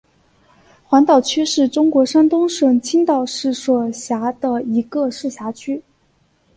黄岛区是中国山东省青岛市所辖的一个市辖区。